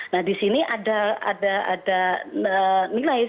nah disini ada nilai